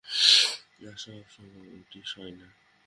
আর সব সয়, ঐটি সয় না।